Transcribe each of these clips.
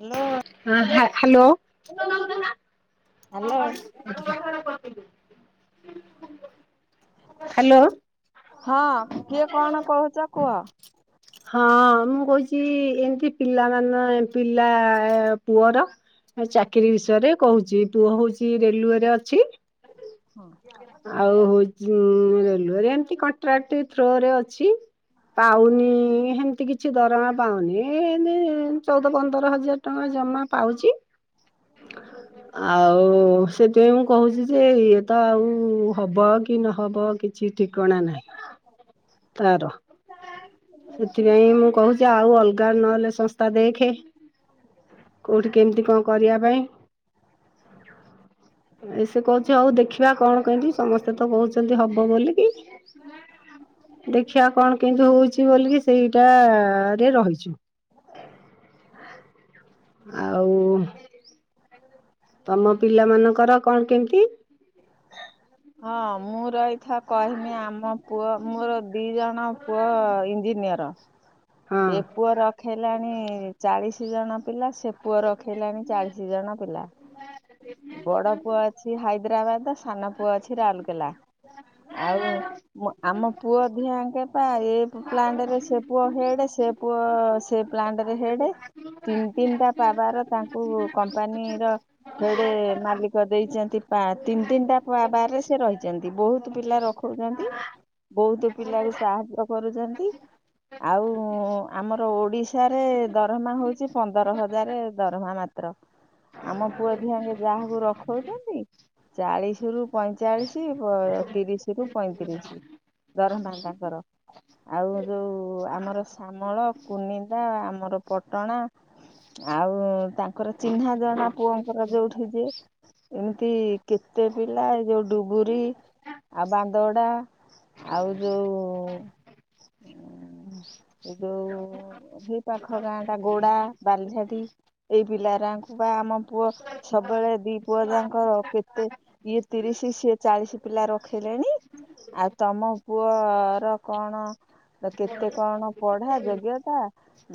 Hello ହଁ ହା hello. Hello. Hello. ହଁ କିଏ କଣ କହୁଛ କୁହ? ହଁ ମୁଁ କହୁଚି ଏମିତି ପିଲା ମାନ ପିଲା ଆ ପୁଅର ଚାକିରି ବିଷୟରେ କହୁଚି। ପୁଅ ହଉଚି ରେଲୱେରେ ଅଛି। ଆଉ ହଉଚି ରେଲୱେ ରେ ଏମତି କଣ୍ଟ୍ରାକ୍ଟି ଥ୍ରୋ ରେ ଅଛି, ପାଉନି-ଇ ହେମତି କିଛି ଦରମା ପାଉନି। ଏ ଇଁତି ଚଉଦ ପନ୍ଦର ହଜାର ଟଙ୍କା ଜମା ପାଉଛି। ଆଉ ଉ ସେଥିପାଇଁ ମୁଁ କହୁଛି ଯେ ଇଏ ତ ଆଉ ଉ ହବ କି ନହବ କିଛି ଠିକଣା ନାହିଁ ତାର, ସେଥିପାଇଁ ମୁଁ କହୁଛି ଆଉ ଅଲଗା ନହେଲେ ସଂସ୍ଥା ଦେଖେ କୋଉଠି କେମିତି କଣ କରିବା ପାଇଁ? ଏ ସେ କହୁଛି ଆଉ ଦେଖିବା କଣ କେମତି ସମସ୍ତେ ତ କହୁଛନ୍ତି ହବ ବୋଲିକି କି। ଦେଖିବା କଣ କେମିତି ହଉଛି ବୋଲିକି ସେ ସେଇଟାରେ ରହିଛୁ। ଆଉ ତମ ପିଲା ମାନଙ୍କର କଣ କେମିତି? ହଁ ମୁଁ ରହି କଥା କହିଁମି ଆମ ପୁଅ ମୋର ଦିଇଜଣ ପୁଅ ଇଞ୍ଜିନିଅର। ହଁ ଏ ପୁଅ ରଖେଇଲାଣି ଚାଳିଶ କିଛି ଜଣ ପିଲା ସେ ପୁଅର ପଖେଇଲାଣି ଚାଳିଶି ଜଣ ପିଲା ବଡ ପୁଅ ଅଛି ହାଇ ହାଇଦ୍ରାବାଦ ସାନ ପୁଅ ଅଛି ରାଉରକେଲା ଆଉ ମୋ ଆମ ପୁଅ ଦିହେଁଙ୍କର ତ ଏଗ୍ ପ୍ଲାନଟରେ ସେ ପୁଅ ହେଡ୍ ସେ ପୁଅ ସେ ପ୍ଲାଣ୍ଟରେ ହେଡ଼୍ ତିନି ତିନିଟା ପାୱାର ତାଙ୍କୁ କମ୍ପାନୀର ହେଡ଼୍ ମାଲିକ ଦେଇଛନ୍ତି ତିନି ତିନିଟା ପାବାରରେ ସେ ରହିଛନ୍ତି ବହୁତ ପିଲା ରଖଉଛନ୍ତି ବହୁତ ପିଲାକୁ ସାହାଯ୍ୟ କରୁଛନ୍ତି ଆଉ ହୁଁ ଆମର ଓଡ଼ିଶାରେ ଦରମା ହଉଛି ପନ୍ଦର ହଜାର ଦରମା ମାତ୍ର ଆମ ପୁଅ ଦିହେଁକେ ଯାହାକୁ ରଖଉଛନ୍ତି ଚାଳିଶିରୁ ପଇଁଚାଳିଶି ତିରିଶିରୁ ପଇଁତିରିଶି ଦରମା ତାଙ୍କର ଆଉ ଯୋଉ ଆମର ଶ୍ୟାମଳ କୁନିନ୍ଦା ଆମର ପଟଣା ଆଉ ତାଙ୍କର ଚିହ୍ନା ଜଣା ପୁଅଙ୍କର ଯୋଉଁଠି ଯିଏ ଏମିତି କେତେ ପିଲା ଏ ଯୋଉ ଡୁବୁରି ଆଉ ବାନ୍ଦଡ଼ା ଆଉ ଯୋଉ ଉଁ ଆଉ ଏଇ ପାଖ ଗାଁ ଟା ଗୋଡା ବାଲିଝାଟି ଏଇଠି ପିଲାଗୁରାଙ୍କୁ ବା ଆମ ପୁଅ ସବୁବେଳେ ଦି ପୁଅ ଯାଙ୍କର କେତେ ଇଏ ତିରିଶି ସିଏ ଚାଳିଶି ପିଲା ରଖେଇଲେଣି ଆଉ ତମ ପୁଅ ର କଣ? ନା କେତେ କଣ ବଢିଆ ଯୋଗ୍ୟତା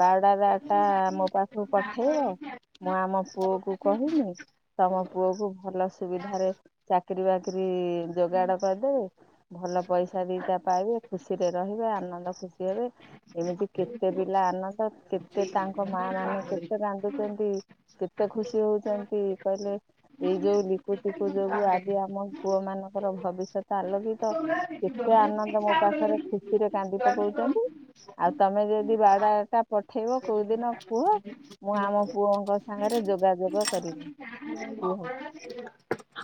ବାଡା ଟା ମୋ ପାଖକୁ ପଠେଇବ ମୁଁ ଆମ ପୁଅକୁ କହିଁମି ତମ ପୁଅକୁ ଭଲ ସୁବିଧାରେ ଚାକିରି ବାକିରି ଯୋଗାଡ଼ କରିଦେବେ ଭଲ ପଇସା ଦିଇଟା ପାଇବେ ଖୁସିରେ ରହିବେ ଆନନ୍ଦ ଖୁସି ହେବେ ଏମିତି କେତେ ପିଲା ଆନନ୍ଦ କେତେ ତାଙ୍କ ମା ମାନେ କେତେ ରାନ୍ଦୁଚନ୍ତି କେତେ ଖୁସି ହଉଚନ୍ତି କହିଲେ ଏଇ ଯୋଉ ଲିପୁଚିପୁ ଯୋଗୁ ଆଜି ଆମ ପୁଅ ମାନଙ୍କର ଭବିଷ୍ୟତ ଆଲୋକିତ କେତେ ଆନନ୍ଦ ମୋ ପାଖରେ ଖୁସି ସିରେ କାନ୍ଦି ପକଉଚନ୍ତି। ଆଉ ତମେ ଯଦି ବାୟୋ ଡାଟା ପଠେଇବ କେଉଁଦିନ କୁହ ମୁଁ ଆମ ପୁଅଙ୍କ ସାଙ୍ଗରେ ଯୋଗାଯୋଗ କରିବି କୁହ।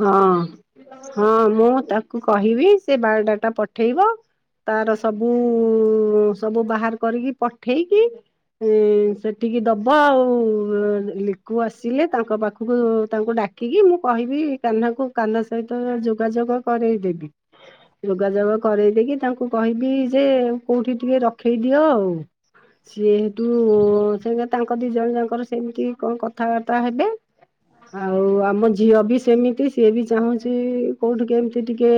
ହଁ ହଁ ମୁଁ ତା କୁ କହିବି ସେ ବାଇଓଡାଟା ପଠେଇବ ତାର ସବୁ ମୁଁ ସବୁ ବାହାର କରିକି ପଠେଇକି ଉଁ ସେଠିକି ଦବ ହ ଆଉ ଲିକୁ ଆସିଲେ ତାଙ୍କ ପାଖକୁ ତାଙ୍କୁ ଡାକିକି ମୁଁ କହିବି କାହ୍ନାକୁ କାହ୍ନା ସହିତ ଯୋଗାଯୋଗ କରଇଦେବି ଯୋଗାଯୋଗ କରେଇ ଦେଇକି ତାଙ୍କୁ କହିବି ଯେ କୋଉଠି ଟିକେ ରଖେଇ ଦିଅ ଆଉ। ସିଏ ହେଠୁ ସେ ତାଙ୍କ ଦି ଜଣ ଜାଙ୍କର ସେମିତି କଣ କଥାବାର୍ତ୍ତା ହେବେ ଆଉ ଆମ ଝିଅ ବି ସେମି ସିଏ ବି ଚାହୁଁଚି କୋଉଠି କେମତି ଟିକେ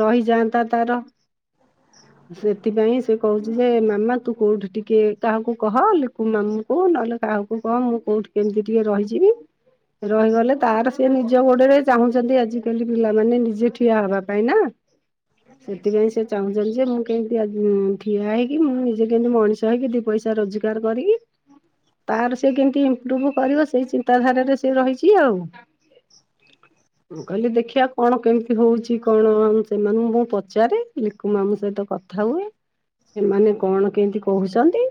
ରହିଯାଆନ୍ତା ତାର ସେଥିପାଇଁ ସେ କହୁଚି ଯେ ମାମା ତୁ କୋଉଠି ଟିକେ କାହାକୁ କହ ଲିକୁ ମାମୁଁ କୁ ନହେଲେ କାହାକୁ କହ ମୁଁ କୋଉଠି କେମିତି ଟିକେ ରହିଯିବି ରହିଗଲେ ତାର ସେ ସେ ନିଜ ଗୋଡରେ ଚାହୁଁଚନ୍ତି ଆଜିକାଲି ପିଲାମାନେ ନିଜେ ଠିଆ ହେବା ପାଇଁ ନା। ସେଥିପାଇଁ ସେ ଚାହୁଁଚନ୍ତି ଯେ ମୁଁ କେମିତି ଅଜ ଉଁ ଠିଆ ହେଇକି ମୁଁ ନିଜେ କେମିତି ମଣିଷ ହେଇକି ଦି ପଇସା ରୋଜଗାର କରିକି ତାର ସେ କେମିତି ଇମ୍ପ୍ରୁଭ କରିବ ସେଇ ଚିନ୍ତାଧାରାରେ ସେ ରହିଚି ଆଉ। ମୁଁ କହିଲି ଦେଖିବା କଣ କେମିତି ହଉଚି କଣ ସେମାନଙ୍କୁ ମୁଁ ପଚାରେ ଲିକୁ ମାମୁଁ ସହିତ କଥା ହୁଏ ସେମାନେ କଣ କେମିତି କହୁଚନ୍ତି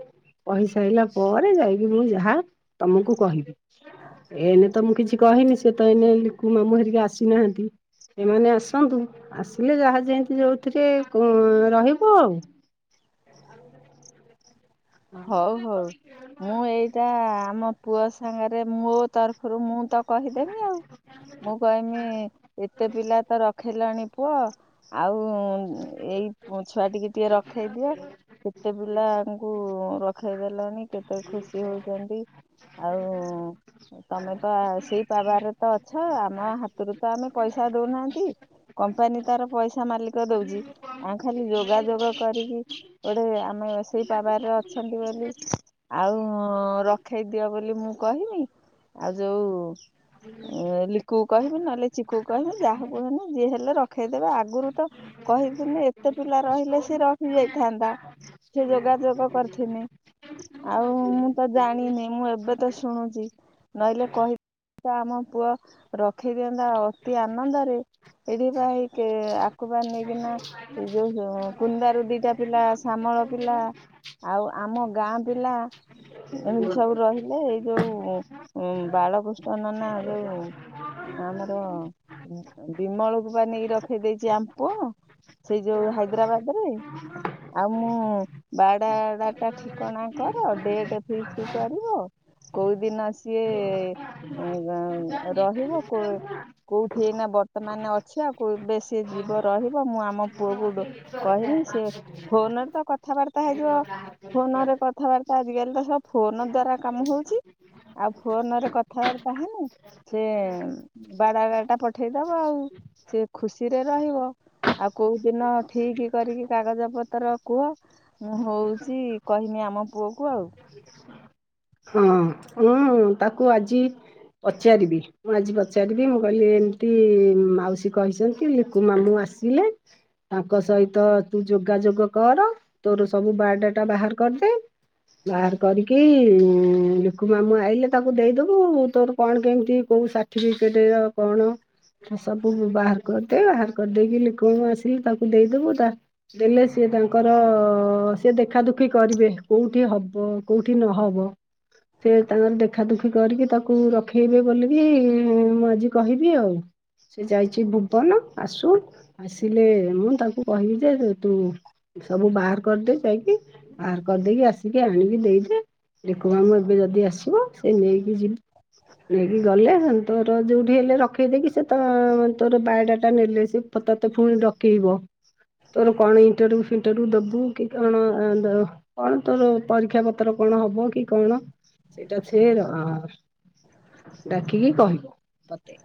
କହିସାରିଲା ପରେ ଯାଇକି ମୁଁ ଯାହା ତମକୁ କହିବି ଏନେ ତ ମୁଁ କିଛି କହିନି ସେ ତ ଏନେ ଲିକୁ ମାମୁଁ ହେରିକା ଆସିନାହାନ୍ତି। ସେମାନେ ଆସନ୍ତୁ ଆସିଲେ ଯାହା ଯେମତି ଯଉ ଏଥିରେ କଁ ରହିବୁ ଆଉ। ହଉ ହଉ ମୁଁ ଏଇଟା ଆମ ପୁଅ ସାଙ୍ଗରେ ମୋ ତରଫରୁ ମୁଁ ତା କହିଦେମି ଆଉ ମୁଁ କହିମି ଏତେ ପିଲା ତ ରଖ ଖିଲାଣି ପୁଅ ଆଉ ଉ ଏଇ ଛୁଆ ଟିକି ଟିକେ ରଖେଇଦିଅ କେତେ ପିଲା କୁ ରଖ୍ ଖେଇଦେଲାଣି କେତେ ଖୁସି ହୋଉଚନ୍ତି ଆଉ ତମେ ପା ସେଇ ପାବାରେ ତ ଅ ଛୁ ଆମ ହାତରୁ ତ ଆମେ ପଇସା ଦଉନାହାନ୍ତି କମ୍ପାନୀ ତାର ପଇସା ମାଲିକ ଦଉଚି। ଆଉ ଖାଲି ଯୋଗା ଯୋଗ କରିକି ଏଡ଼େ ଆମେ ଆସି ପାବାରରେ ଅଛନ୍ତି ବୋଲି, ଆଉ ରଖେଇ ଦିଅ ବୋଲି ମୁଁ କହିମି। ଆଉ ଯୋଉ ଲିକୁୁ କୁ କହିବି ନହେଲେ ଚିକୁ କୁ କହିବି ଯାହାକୁ ହେନେ ଯିଏ ହେଲେ ରଖେଇଦେବେ ଆଗରୁ ତ କହିଥିନେ ଏତେ ପିଲା ରହିଲେ ସିଏ ରହିଯାଇଥାନ୍ତା ସେ ଯୋ ଯୋଗାଯୋଗ କରିଥିନି, ଆଉ ମୁଁ ତ ଜାଣିନି। ମୁଁ ଏବେ ତ ଶୁଣୁଛି ନହେଲେ କହି ତ ଆମ ପୁଅ ରଖେଇଦିଅନ୍ତା ଅତି ଆନନ୍ଦରେ। ଏଠିପା ଏଇ କେ ଆ କୁବାର ନେଇକିନା ଏ ଯୋଉ, କୁନ୍ଦାରୁ ଦିଟା ପିଲା ଶାମଳ ପିଲା ଆଉ ଆମ ଗାଁ ପିଲା। ଏମିତି ସବୁ ରହିଲେ ଏଇ ଯୋଉ ବାଳକୃଷ୍ଣ ନନା, ଯୋଉ ଆମର ବିମଳକୁପା ନେଇକି ରଖେଇ ଦେଇଛି, ଆମ୍ ପୁଅ ସେଇ ଯୋଉ ହାଇଦ୍ରାବାଦ ରେ। ଆଉ ମୁଁ ବାଡ଼ାଡାଟା ଠିକଣା କର ଡେଟ୍ ଫିକ୍ସ କରିବ, କୋଉ ଦିନ ସିଏ ଏଁ ରହିବ? କଉ କୋଉଠିଏଇନା ବର୍ତ୍ତମାନ ଅଛି, ଆଉ କେବେ ସିଏ ଯିବ ରହିବ? ମୁଁ ଆମ ପୁଅକୁ କହିମି। ସେ ଫୋନରେ ତା କଥାବାର୍ତ୍ତ ଏଟା ହେଇଯିବ ଫୋନ ରେ କଥାବାର୍ତ୍ତ ଆଜିକାଲି ତ ସବୁ ଫୋନ ଦ୍ଵାରା କାମ ହଉଛି। ଆଉ ଫୋନରେ କଥାବାର୍ତା ହେନେ, ସେ ବାଡ଼ାଟାଟା ପଠେଇ ଦବ ଆଉ। ସେ ଖୁସିରେ ରହିବ, ଆଉ କଉଦିନ ଠିକି କରିକି କାଗଜ ପତର କୁହ? ମୁଁ ହଉଛି କହିମି, ଆମ ପୁଅକୁ ଆଉ। ହଁ। ହୁଁ, ତାକୁ ଆଜି ପଚାରିବି? ମୁଁ ଆଜି ପଚାରିବି ମୁଁ କହିଲି ଏମତି ମାଉସୀ କହିଛନ୍ତି, ଲିକୁ ମାମୁଁ ଆସିଲେ ତାଙ୍କ ସହିତ ତୁ ଯୋଗାଯୋଗ କର ତୋର ସବୁ ବାଏଡାଟା ବାହାର କରିଦେ। ବାହାର୍ କରିକି ଇ ଉଁମ୍ ଲୁକୁ ମାମୁଁ ଆଇଲେ ତାକୁ ଦେଇଦବୁ। ତୋର କଣ କେମିତି କୋଉ ସାର୍ଟିଫିକଟେ କଣ ସବୁ ବାହାର୍ କରିଦେ। ବାହାର୍ କରିଦେଇକି ଲିକୁ ମାମୁ ଆସିଲେ। ତାକୁ ଦେଇଦବୁ ତା ଦେଲେ ସିଏ ତାଙ୍କର ର ସିଏ ଦେଖା ଦୁଖି କରିବେ କୋଉଠି ହବ କୋଉଠି ନହବ? ସେ ତାଙ୍କର ଦେ ଦେଖା ଦୁଖୀ କରିକି ତାକୁ ରଖେଇବେ ବୋଲିକି ମୁଁ ଆଜି କହିବି ଆଉ। ସେ ଯାଇଛି ଭୁବନ ଆସୁ ଆସିଲେ ମୁଁ ତାକୁ କହିବି। ଯେ, ତୁ ସବୁ ବାହାର କରିଦେଇ ଯାଇକି ବାହାର କରିଦେଇକି ଆସିକି କି ଆଣିକି ଦେଇ ଦେ? ଲିକୁ ମାମୁ ଏବେ ଯଦି ଆସି [inaudible] ସେ ନେଇକି ଯିବ୍ ନେଇକି ଗଲେ ହନ୍ ତୋର ଯେଉଠି ହେଲେ ରଖେଇଦେଇକି, ସେ ତ ତୋର ବାୟଡ଼ାଟା ନେଲେ ସେ ତୋତେ ଫୁଣି ଡକେଇବ। ତୋର କଣ ଇଣ୍ଟରଊ ଫିନ୍ ଊ ଦବୁ କି କଣ? ଆ କଣ ତୋର ପରୀକ୍ଷା ପତ୍ର କଣ ହବ କି କଣ? ସେଇଟା ସେ ରଅଁ ଡାକିକି କହିବ ତତେ।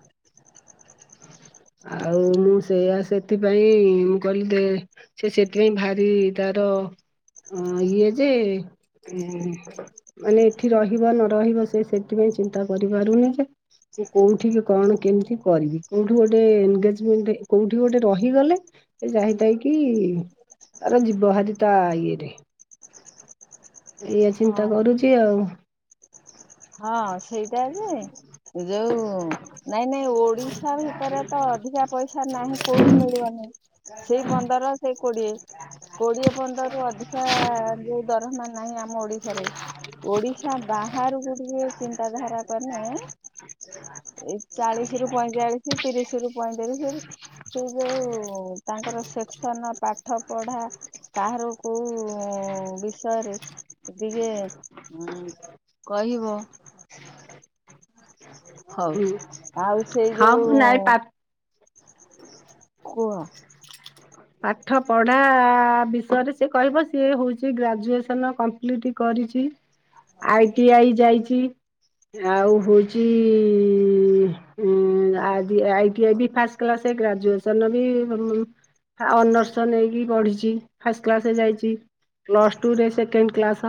ଆଉ, ମୁଁ ସେୟା ସେଥିପାଇଁ, ମୁଁ କହିଲି ଦେ ସେ ସେଥିପାଇଁ ଭାରି ତାର ଇଏ ଯେ, ଏଁ ମାନେ ଏଠି ରହିବ ନ ରହିବ ସେ ସେଥିପାଇଁ ଚିନ୍ତା କରିପାରୁନି ଯେ। ମୁଁ କୋଉଠିକି କଣ କେମିତି କରିବି। କୋଉଠି ଗୋଟେ ଏନ୍ଗେଜମେଣ୍ଟ କୋଉଠି ଗୋଟେ ରହିଗଲେ ସେ ଯାଇଥାଇ କି ତାର ଜୀବ ହାରି ତା ଇଏ ଦେହ୍ ଏଇଆ ଚିନ୍ତା ହଁ। କରୁଚି ଆଉ। ହଁ, ସେଇଟା ଯେ ଯୋଉ ନାଇଁ ନାଇଁ ଓଡିଶା ଭିତରେ ତ ଅଧିକା ପଇସା ନାହିଁ। କୋଉଠି ମିଳିବନି ସେଇ ପନ୍ଦର ସେ କୋଡିଏ, କୋଡିଏ ପନ୍ଦରରୁୁ ଅଧିକା ଯୋଉ ଦରମା ନାହିଁ। ଆମ ଓଡିଶାରେ ଓଡିଶା ବାହାରକୁ ଟିକେ ଚିନ୍ତାଧାରା କଲେ ଏ ଚାଳିଶ ରୁ ପଇଁଚାଳିଶ ତିରିଶ ରୁ ପଇଁତିରିଶ ସେଇ ଯୋଉ ତାଙ୍କର ସେକ୍ସନ ପାଠ ପଢ଼ା କାହାର କୋଉ ଉଁ ବିଷୟରେ ଟିକେ ଉଁ କହି ହ। ହଉ ହୁଁ ଆଉ ସେଇ ହଁ ଯୋଉ ନାଇଁ ପା ଉଁ [unintelligible] ପାଠ ପଢ଼ା ଆ ବିଷୟରେ ସିଏ କହିବ ସିଏ ହଉଛି ଗ୍ରାଜୁଏସନ କମ୍ପ୍ଲିଟ୍ କରିଚି। ଆଇଟିଆଇ ଯାଇଚି। ଆଉ ହଉଚି ଇ ଉଁ ଆଦି ଆଇଟିଆଇ ବି ଫାଷ୍ଟ କ୍ଲାସେ ଗ୍ରାଜୁଏସନ ବି ଆ ଅନର୍ସ ନେଇକି ପଢ଼ିଚି ଫାଷ୍ଟ କ୍ଲାସ ଯାଇଛି ପ୍ଲସ୍ ଟୁରେ ସେକେଣ୍ଡ କ୍ଲାସ୍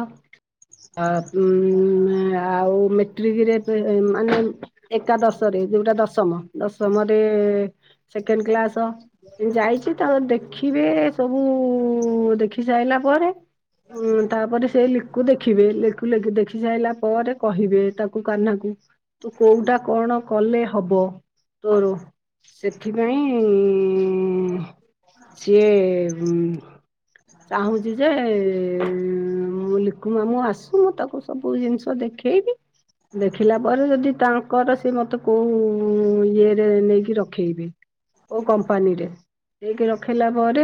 ଅ ଉଁ ଆଉ ମେଟ୍ରିକରେ ମାନେ ଏକାଦଶରେ ଜଉଟା ଦଶମ ଦଶମରେ ସେକେଣ୍ଡ କ୍ଲାସ୍ ତ ଯାଇଚି। ଦେଖିବେ ସବୁ ଦେଖି ସାରିଲା ପରେ ତାପରେ ସେ। ଲିକୁ ଦେଖିବେ ଲିଖୁଖ ଦେଖି ସାରିଲା ପରେ କହିବେ ତାକୁ କା୍ହ୍ନାକୁ। ତୁ କୋଉଟା କଣ। କଲେ ହବ ତୋର ସେଥିପାଇଁ ଇଁ ସିଏ ଚାହୁଁଛି ଯେ ମୁଁ ଲିଖୁମା ମୁଁ ଆସୁ ମୁଁ ତାକୁ ସବୁ ଜିନିଷ ଦେଖେଇବି ଦେଖିଲା ପରେ ଯଦି ତାଙ୍କର ସି ମତେ କୋଉ ଇଏରେ ନେଇକି ରଖେଇବି କୋଉ କମ୍ପାନୀରେ। ହେକି ରଖିଲା ପରେ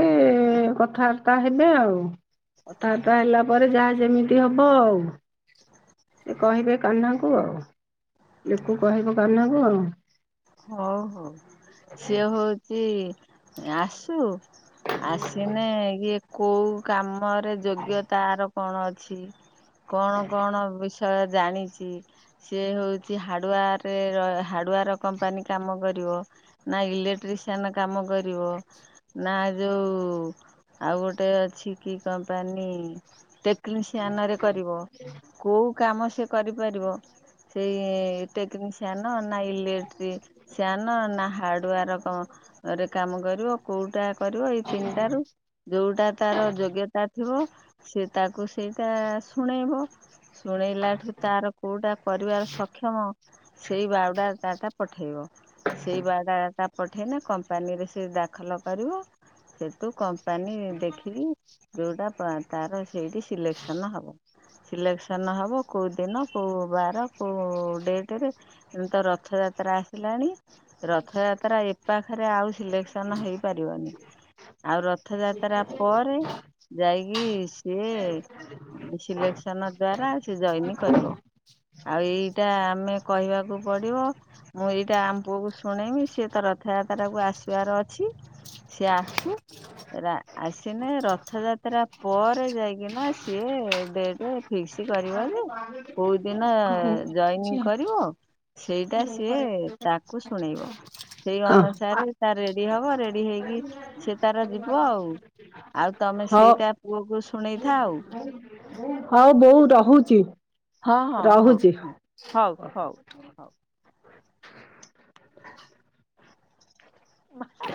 କଥାବାର୍ତ୍ତା ହେବେ ଆଉ କଥାବାର୍ତ୍ତା ହେଲା ପରେ ଯାହା ଯେମିତି ହବ ଆଉ ସେ କହିବେ କାହ୍ନାକୁ ଆଉ ଲିକୁ କହିବ କାହ୍ନାକୁ ଆଉ। ହଉ ହଉ ସିଏ ହଉଛି। ଆସୁ। ହ। ଆସନେ ଏ। କୋଉ କାମ। ପରେ ଯୋଗ୍ୟତା ଆର। କଣ ଅଛି କଣ କଣ ବିଷୟ ଜାଣିଛି ସିଏ ହଉଚି ହାଡ଼ୁଆରେ ହାଡୁଆର କମ୍ପ କମ୍ପାନୀ କାମ କର ନା ଇଲେକ୍ଟ୍ରିସିଆନ୍ କାମ କରିବ ନା ଜଉ ଆଉ ଗୋଟେ ଅଛି କମ୍ପାନୀ ଟେକ କି ସିଆନା ରେ କରିବ କୋଉ କାମ ସେ କରିପାରିବ ସେଇ ଟେକ୍ନିସିଆନ ନା ଇଲେ ସାନ ନା ହାର୍ଡୱାରରେ କାମ କରିବ କୋଉଟା। କରିବ ଏଇ ତିନିଟ ର ଯୋଉଟା ତାର ଯୋଗ୍ୟତା ଥିବ। ସେ ତାକୁ ସେଇଟା ଶୁଣେଇବ। ଶୁଣେଇଲାଠୁ ତାର କୋଉଟା କରିବାର ସକ୍ଷମ ସେଇ ବାଉଡାତାଟା। ପଠେଇବ ସେଇ ବାୟାଡାଟା ପଠେଇଲେ କମ୍ପାନୀରେ ସେ ଦାଖଲ କରିବ ସେ ତୁ। ପାନି ଦେଖିକି। ଦଉଡ଼ାପ ତାର। ସେଇଠି ସିଲେକ୍ସନ ହବ। ଇଲେକ୍ସନ ହବ କୋଉ ଦିନ କୋଉ ବାର କୋଉ ଡେଟ ରେ ଏମିତି ରଥଯାତ୍ରା। ରାକ୍ଷି ଆସିଲାଣି ରଥଯାତ୍ରା ଏଖରେ ଆଉ। ସିଲେକ୍ସନ୍ ହେଇପାରିବନି ଆଉ ରଥଯାତ୍ରା ପରେ ଯାଇକି ସିଏ ସିଲେକ୍ସନ ଦ୍ଵାରା ସେି ଜଏନ କରିବ ଆଉ ଏଇଟା ଆମେ। କହିବାକୁ ପଡିବ। ମୁଁ ଏଇଟା ଆମ ପୁଅକୁ ଶୁଣେଇମି ସିଏ ତ ରଥଯାତ୍ରାକୁ ଆସିବାର ଅଛି ସିଏ ଆସୁ ରା। ଆସିନେ ରଥଯାତ୍ରା ପରେ ଯାଇକିନା। ସିଏ ଡେଟ। ଫିକ୍ସ କରିବ ଯେ କୋଉ ଦିନ ହଉ ରଖୁଛି ଜଏନିଂ ଆଉ। କରିବ ସେଇଟା। ସେ ତାକୁ ଶୁଣେଇବ, ସେଇ ହଁ ଅନୁସାରେ ତା ରେଡି ହବ। ରେଡି ହେଇକି ସେ ତାର ଯିବ ଆଉ ଆଉ ତମେ ହଉ ସେଇଟା ପୁଅକୁ ଶୁଣେଇଥା ଆଉ। ହଉ ବଉ ରହ। ହଉଚି। ହଁ ହଁ ହଁ ହଁ ହଉ ହଉ ହଉ। ମା ହେ।